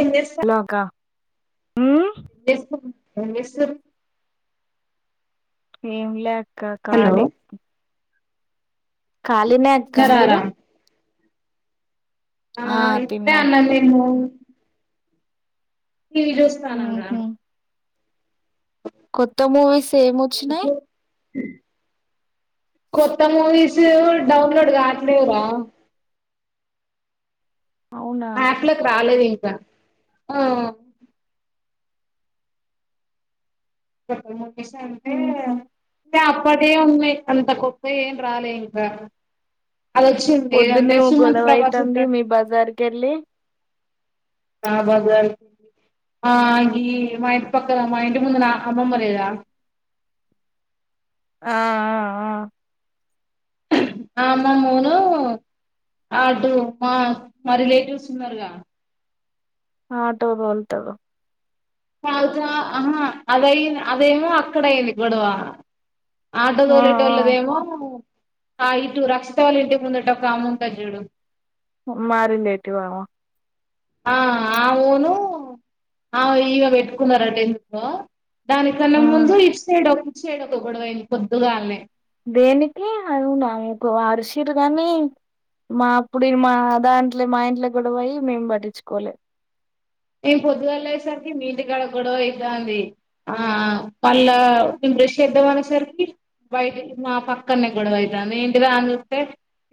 ఏంచేస్తావ్ hello అక్క హ్మ్ చేస్ ఏంచేస్తురు ఏంలే అక్క ఖాలీ ఖాలినే అక్క తిన్నారారా మీరు ఆ ఇప్పుడే అన్నం దిన్న ఈరోజ్ ఊహు కొత్త మూవీస్ ఏం వచ్చినై కొత్త మూవీసు డౌన్లోడ్ కాట్లేవ్ రా అవునా యాప్లోకి రాలేదు ఇంకా ఓ కొత్త మూవీస్ అంటే ఉహు టే అప్పటియే ఉన్నాయి అంత గొప్ప ఏం రాలే ఇంకా అది వచ్చింది పొద్దున్నే ఏదంటే సుమంత్ ప్రభాస్ ఓగొడవైతంది ఉంటాడు మీ బజార్ కెళ్ళి ఆ బజార్ ఆ ఈ మా ఇంటి పక్కన మా ఇంటి ముందు నా అమ్మమ్ లేదా ఆఆ ఆ ఆ అమ్మోమ్మోను అటుూ మా మా రిలేటివ్స్ ఉన్నారుగా ఆటో తోల్తాడు చల్ చ ఆహా అదయింది అదేమో అక్కడయింది గొడవ ఆటో ఆ ఆ తోలెటోళదేమో ఆ ఇటు రక్స్తతవాళ్ళ ఇంటి ముందుట ఒక ఆముంటది జుడు మా రిలేటివ్ అమా ఆ ఆ ఊను ఆమె ఇగ పెట్టుకున్నారా టెన్ లో దానికన్నా ఆ ముందు ఇట్సైడు ఒక ఇట్సైడు ఒక గొడవైంది పొద్దుగాల్నే దేనికి అవుననుకో అరిషీరుగాని మా అప్పుడు మా దాంట్లో మా ఇంట్లో గొడవ అయి మేమ్ పట్టించుకోలే నేన్ పొద్దుగాల్ లేేసరికి మీ ఇంటి కడ గొడవైతాంది ఆ మళ్ళా నేన్ బ్రష్ చేద్దాం అనే సరికి బయటికి మా పక్కనే గొడవైతంది ఏంటి రా అన్ చూస్తే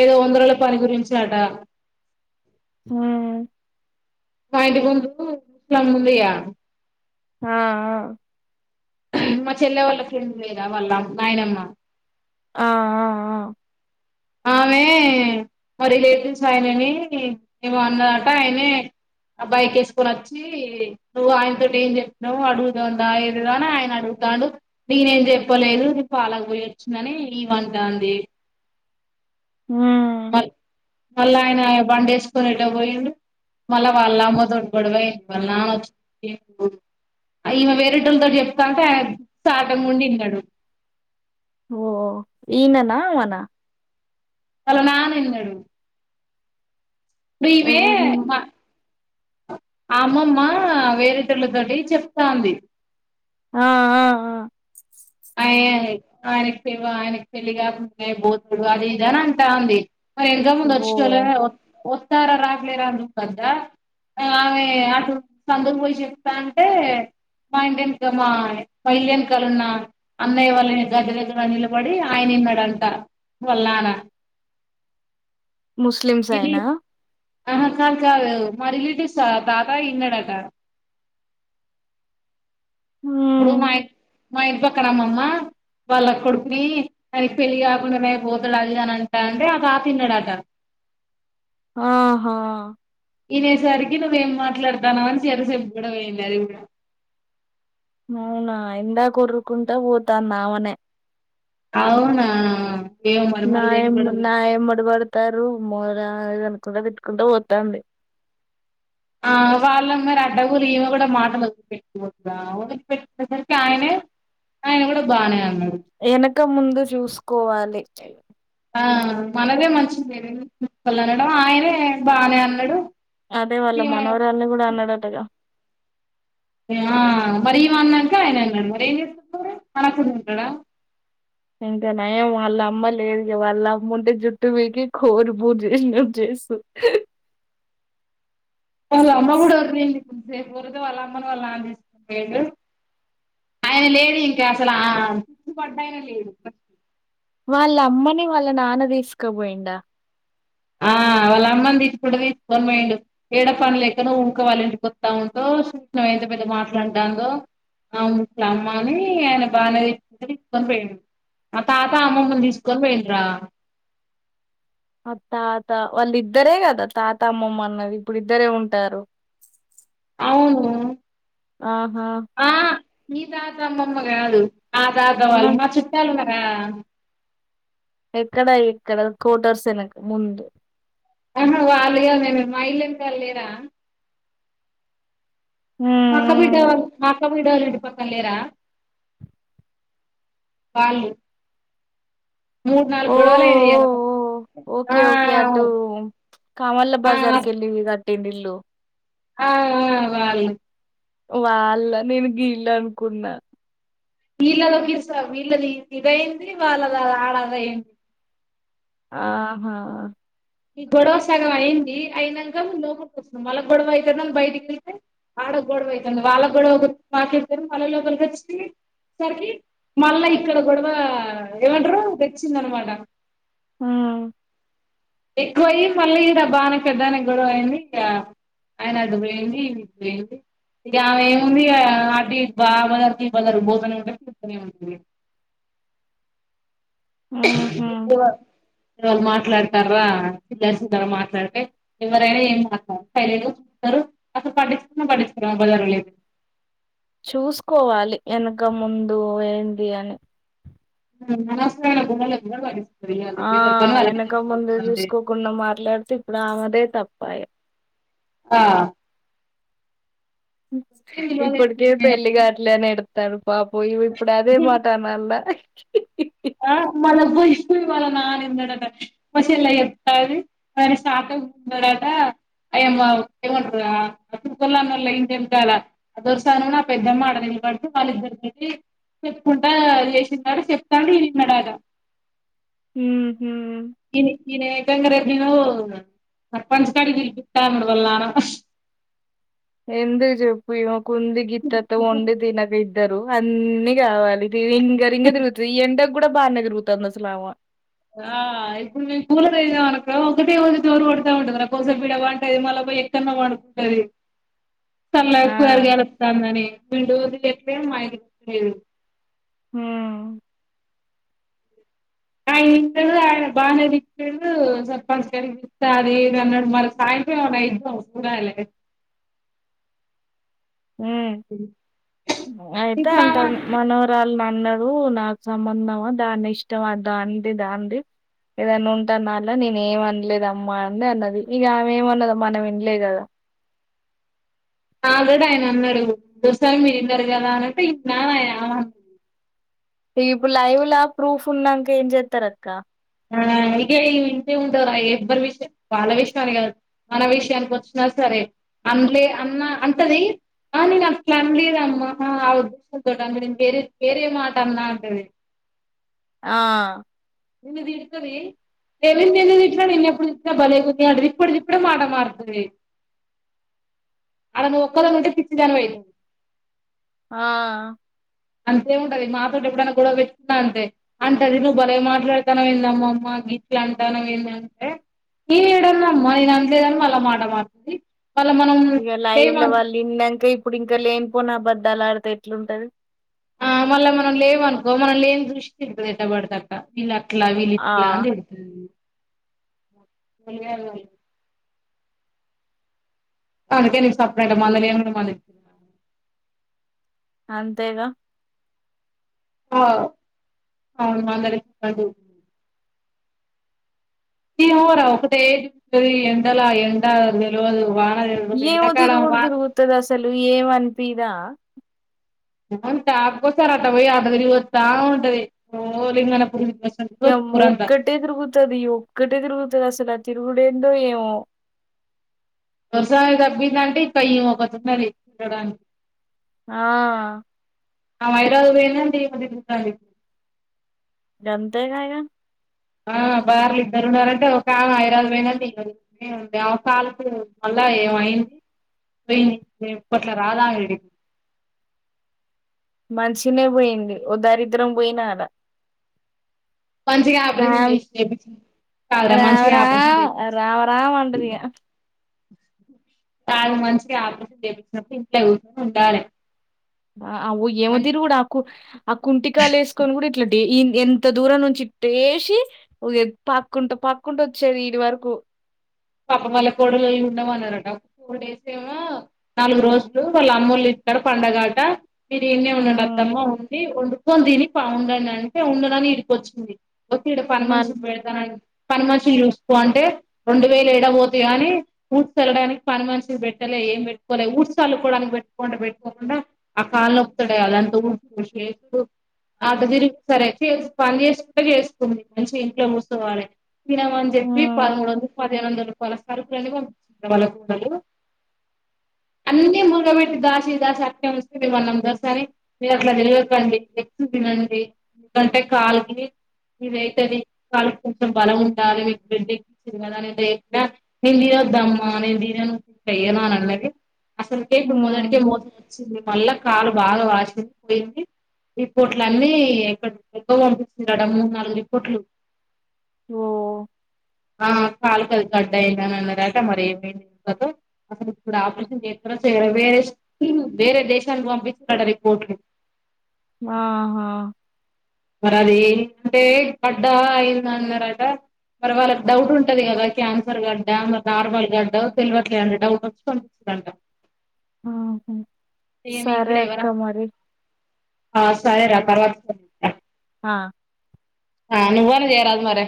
ఏదో వందరుల పని గురించి అట హూ మా ఇంటి ముందు ముస్లమ్మ ముందిగ ఆ మా చెల్లె వాళ్ళ ఫ్రెండ్స్ లేర వాళ్ళ నాయనమ్మ ఆ ఆ ఆ ఆమె మా రిలేటివ్స్ ఆయనని ఏమో అన్నాడట ఆయనే అబ్బాయికి వేసుకొని వచ్చి నువ్వు ఆయనతోటి ఏం చెప్పావు అడుగుతుందా ఏదని ఆయన అడుగుతాడు నేనే ఏం చెప్పలేదు ఇది పాలకు పోయి వచ్చిందని ఇమ అంటాన్ది ఉ మళ్ మళ్ళీ ఆయన బండి వేసుకొని ఎటో పోయిండు మ వాళ్ళ అమ్మ తోటి [unintelligible] ఈమె వేరేటోలతోటి చెప్తాఉంటే ఆ [unintelligible] ఓ ఈననా ఆమన వాళ్ళ నాన్న ఇన్నడు ఎవరు? [unintelligible] ఆ అమ్మమ్మ వేరేటోలతోటి చెప్తుంది ఆ ఆ! ఆ! అయ ఆయన ఆయనకి పెళ్లిగాకు బోతుడు అది ఇదని అంటాఉంది మరి ఎంత ముందు వచ్చుకోలే ఓహ్! ఒత్తార [unintelligible] ఆమె అటు [unintelligible] పోయి చెప్తంటే మా ఇంటెనుకున్న మా ఇల్లుఎనకలున్న అన్నయ్య వాళ్ళని గద్దగ్గగానిలబడి ఆయన విన్నాడుంట వాళ్ళ నాన్న ముస్లిమ్స్ ఇది ఆయన ఆహా కా కాదు మా రిలేటివ్స్ తాతా ఇన్నాడట ఉ ఇప్పుడు మా మ ఇంటి పక్నా అమ్మమ్మా వాళ్ళ [unintelligible] వానికి పెళ్ళి కాకుండానే పోతాడు అని అంటా అంటే అ తాత విన్నాడట ఆహా వినేసరికి నువ్వేం మాట్లాతావనవ్ అని చీరసేపు కూడ వెేయింది అది గూడ అవునా ఇందక కొర్ర కుంటా పోతంది ఆమనే అవునా ఏమో మరి నా మళ్ళీ ఏం గొడవ నా అయింది. ఏమడబడతారు మోర అనుకుంటా విట్కుంటా పోతుంది ఆ వాళ్ళ మరి అడ్డగురు ఈమె కూడ మాట వదిలిపెట్టిపోతుందా వదిలిపెట్టిసరికి ఆయనే ఆయిన కూడ బానే ఉన్నాడు ఎనక ముందు చూసుకోవాలే ఆ మనదే మంచిది [unintelligible] అనడం ఆయనే బానే అన్నాడు అదే వాళ్ళ ఈమె మనవరాల్ని కూడ అన్నాడటగ మరి ఇమ అన్నాక ఆయన అన్నాడు మరి ఏం చేస్తడు అనకుండ ఉంటాడా ఇంకా నయం వాళ్ళ అమ్మ లేదు వాళ్ళ అమ్మ ఉంటే జుట్టు పికి కోరి పూజ [unintelligible] వాళ్ళ అమ్మ కూడ ఉండింది కొంచసేపు ఊరితే వాళ్ళ అమ్మని వాళ్ళ [unintelligible] ఆయన లేడు ఇంకా అసలా వాళ్ళ అమ్మని వాళ్ళ నాన్న తీసుకోపోయిండ ఆ వాళ్ళ అమ్మని [unintelligible] తీసుకొని పోయిండు ఏడ పనులు ఎక్కన ఇంకో వాళ్ళ ఇంటికి పస్తా ఉంటోంత మీద మాట్లాడడాందో అవును ముట్లా అమ్మ అని ఆయన బాగానే ఇకొని పోయిండు ఆ తాత అమ్మమ్మను తీసుకొని పోయిండు రా ఆ తాత వాళ్ళు ఇద్దరే కదా తాత అమ్మమ్మ అన్నది ఇప్పుడు ఇద్దరే ఉంటారు అవును ఆహా ఆ మీ తాత అమ్మమ్మ కాదు మా తాత ఆ వాళ్ళు మా చుట్టాలున్నారు కదా ఎక్కడ ఎక్కడ కోటర్స్ వెనక ముందు ఆహా వాళ్ళగాదు మా ఇల్లు ఎనకల లేరా హ మాక్క బీడ్డ మాక్క బీడవాలంటి పక్కనా లేరా వాళ్ళు మూడు నాలుగు ఓ గొడవలు అయినయి ఓ ఓ ఓకే ఓకే అటు కామల్ల ఆ బజార్ కెళ్లి కట్టిల్లు ఇల్లు ఆ ఆ వాళ్లు వాళ్ళ నేను గీళ్ళనుకున్నా వీళ్ళదో కీసా వీళ్ళది ఇదయింది వాళ్ళది ఆడదయింది ఆహా ఈ గొడవ సగం అయింది అయినాక లోపలకి వస్తున్నాం వాళ్ళ గొడవ అయితాంది అని బయటికిళ్తే ఆడ గొడవ అయితాంది వాళ్ళ గొడవ మాకేరు మళ్ళ లోపలికి వచ్చి సరికి మళ్ళా ఇక్కడ గొడవ ఏమంటారు తెచ్చిందనమాట హ ఎక్కువ అయి మళ్ళీ ఇడ బాగానే పెద్దనే గొడవ అయింది ఇక ఆయన అటు పోయింది ఇది ఇటు పోయింది ఇగా ఆమె ఏముంది అ బాలర్ తీ బలరు పోతూనే ఉంటది ఉంట ఇ ఏంటంది [unintelligible] ఉహు ఇవాళు మాట్లాడతారా చిల్లరల్లర మాట్లాడితే ఎవరైనా ఏం మా సైలెంట్ గా చూస్తారు అసలు పట్టించుకోనే పట్టించుకోరు ఆ బజార్ల చూసుకోవాలి వెనక ముందు ఏంది అని అనవసరమైన గొడవలు [unintelligible] ఆ ఎవరి పని వాళ్ళకే వెనక ముందు సరిపోతదండి చూసుకోకుండా మాట్లాడితే ఇప్పుడు ఆమెదే తప్పయే ఆ ఏం విలువ ఇప్పటికే పెళ్లి లేకపోయినప్పుడు కాట్లేని ఎడుతాల్లు పాపం ఈమె ఇప్పుడు అదే మాట మళ్ళ ఆ మళ బుస్సు వాళ్ల పోయి వాళ్ళ నాన్న ఇన్నడట మా చెల్లె చెప్తాంది అనే స్టార్టింగ్ ఉన్నాడట అయమకలా ఏమంటారు ఆ తురుకోళ్ల అన్న ఇంటెనుకలా అద దొరసాని ఉన్న ఆ నా పెద్దమ్మ ఆడ నీల్బడుతు వాళ్ళిద్దరి చెప్పుకుంటా చేసిన్నాడు చెప్తాండు ఈనే విన్నాడు అట ఉమ్ ఇ ననే ఏకంగా అ సర్పంచ్ కాడికి పిలిపిస్తాన్నాడు వాళ్ళ నాన్న ఎందుకు చెప్పు ఇమ కుంది గిత్తతో వండి తినక ఇద్దరు అన్ని కావాలి ఇది రింగ రింగా తిరుగుతది ఈ ఎండకు కూడా బానే తిరుగుతదామా ఆ ఇప్పుడు మేము కూలరేసిన అనుకో ఒకటే ఒకది డోర్ కొడతా ఉంటుంది కోసేపు ఈడ పంటది మళ్ళ పండుకుంటది సల్లగా ఆ కూలర్ గలుస్తాందని విండు వదిట్లే మా లేదు [unintelligible] ఉమ్ ఆయన ఇండడు ఆయన బానేదిట్టలేదు సర్పంచ్ గారు సది నన్నెడు మరి సాయంత్రం పూరా అయి ఉమ్అయితే ఇప్పుడు ఆమె అంటాను మనోరాల అన్నాడు నాకు సంబంధమా దాన్ని ఇష్టం అట దానిది ఏదన్న ఉంటాన్నా అలా నేను ఏమనలేదమ్మా అండి అన్నది ఇక ఆమె ఏమన్నద మనం వినలేదు కదా ఆల్రెడీ ఆయన అన్నాడు దోసా మీరుం జరగల అంటే ఇం నా ఆయన మీ ఇప్పుడు లైవ్ లా ప్రూఫ్ ఉన్నాక ఏం చేస్తారు అక్క ఆ ఇగ ఈవ ఇంటిే ఉంటవరా ఎవ్వరి విషయం వాళ్ళ విషయం మన విషయానికి వచ్చినా సరే అందులే అన్న అంటది ఆ నేను అట్ల అన్లేదమ్మా దోట వేరే మాటా అన్నాన్ అంటది ఆ నిను ఇది ఇడతరి రేవింద నిే తిట్ల నిన్నెప్పుడు తెట్ల బలేతు అంట ఇప్పుడు ఇప్పుడు మాట మారుతుంది ఆడా ఒక్కరు ఉంటే పిచ్చి దాని వాయి ఆ అంతేముంటది మాతోోటి ఎప్పుడైనా గొడవ పెట్టుకున్నా అంతే అంటే అది నువ్వు భలే మాట్లాడ తున్నవ్ ఏందమ్మ అమ్మ గీట్ల అంటానవ్ ఏంది అంటే ఏ ఏడన్నా అమ్మా నేన్ అన్లేదని మళ్ళా మాట మారుతుంది మళ్లా మనం ఇక లైవ్ లో వాళ్ళు ఇన్నాక ఇప్పుడు ఇంకా లేనిపోని అబద్దాలు ఆడితే ఎట్ల ఉంటది ఆ మళ్ళ మనం లేవనుకో మనం లేని దృష్టి కా ఎంట్టబడితేక్క వీళ్ళ అట్లా వీళ్ళు ఆ ఇట్లా అని ఊ ఉల్లిపాయలు కోయ్ అందుకే నేన్ సపరేట్ మళ్ళ నేన్ కూడా మానె అంతేగ ఆ అవును మళ్ళ [unintelligible] ఈ వోరా ఒకటే తిప్పుతది ఎండలా ఎండ తెలువదు వా న తెల్వదు ఎండకాలం వా న్ స్తది అసలు ఏమి అన్పీదా అవును తాపకి ఒకసారి అట్ట పోయి అట్ట తిరిగి వస్తా ఉంటాది ఓ లింగానపురి ఏమ్మా ఒక్కటే తిరుగుతది ఒక్కటే తిరుగుతది అసలు ఆ తిరుగుడు ఏందో ఏమో ఒసారి తగ్బిందంటే ఈమె ఒకతున్నది ఎక్కడానికి ఆ ఆ వైరాల్ పోయిన ఈమె తిరుగుతాంది గంతేగ ఇగా ఆ బార్లు ఇద్దరు ఉన్నారంటే ఒక ఆమె ఐరాజు పోయినంటే ఇంక్కొటి ఊ దేవసాలకు మళ్ళ ఏమయింది పోయి అట్ల రాదా ఆమెడి మంచినే పోయింది ఓ దరిద్రం పోయిన అలా మంచిగా ఆపరేషన్ రామ్ చేసి చేపించింది కాదురా రామ మంచిగా రా ఆపరేషన్ చేపించి రామ రామ్ అంటదిగా తాగు మంచిగ ఆపరేషన్ చేపించినప్పుడు ఇంట్లో కూర్చినె ఉండాలే అ ఆఊ ఏమి తిరుగుడాకు ఆ కుంటికాలు వేసుకొని కూడా ఇట్లాండి ఈ ఎంత దూరం నుంచి ఇ ఐట్టేసి ఓజే పక్కుంట పక్కుంట వచ్చేది ఇది వరకు పాపం వాల్ల కోడల్ ఉండమన్నారట ఫోర్ డేస్ ఏమో నాలుగు రోజులు వాళ్ళ అమ్మోళ్ల ఇంటికాడ పండగాట మీరు ఈన్నే ఉండండి హ్మ్. అత్తమ్మా ఉండి వండుకొని తిని పావుండంటే ఉండనని ఇడికొచ్చింది ఒక ఇక్కడ పని మల్ మనిషిని పెడతానం పని మనిషిని చూసుకో అంటే వేలేడా పోతయో అనీ ఊడ్చ చళ్ళడానికి పని మనిషిని పెట్టలే ఏం పెట్టుకోలే ఊడ్చ చల్లుకోవడానికి పెట్టుకో అంటే పెట్టుకోకుండా ఆ కాళ్ళ నొప్పుతోటి అదంత ఊద్శుడు చేశుడు అడ్డ తిరిగి సరే పని చేసుకుంటే చేసుకుంది మంచిగ ఇంట్లో కూసోవాలె తినమని చెప్పి హ్మ్. పదమూడు వందలు పదిహేను వందల రూపాయల అన్ని సరుకులు పంపిస్తరు వాళ్ళ పిల్లలు అన్ని మురగ పెట్టి దాసీ దాసీ అట్నే ఉంచుతాది [unintelligible] మీరు అట్ల తిరగకండి ఎక్కువ తినండి మీకంటే కాళ్ళకి మీద అయితేది కాళ్ళ కొంచం బలం ఉండాలి మీ బేంటి తిన్నదన్నే దేక్ త నేను తినొద్దు అమ్మ నేను తినను చెయ్యను అనన్నది అసలుకే ఇప్పుడు మొదటికే హ్మ్. మోసం వచ్చింది మళ్ళా కాలు బాగా వాసి పోయింది రిపోట్లు అన్నీ ఎక్కడ ఎక్కుడకో పంపించిండట మూడు నాలుగు రిపోట్లు వో ఆ కాలు కది గడ్డ అయింద అన్నారట మరి ఏమంది ఇంతకు అసలు ఇప్పుడు ఆపరేషన్ చేస్తారా చేయరా వేస్ట్ వేరే దేశానికి పంపిచిర్రంటా రిపోర్ట్లు మాహా మరి అది ఏంటే గడ్డ అయిందన్నరట మరి వాళ్ళకి డౌట్ ఉంటది కదా క్యాన్సర్ గడ్డ మరి నార్మల్ గడ్డో తేలవ్వట్లే అంటా డౌట్ వస్తు పేంట [inaudible] సరే [unintelligible] అక్క ఎవ్వరం మరి. ఆ సరే రా తర్వాత చెప్త అ ఆ నువ్వన్న జేయరాదు మరే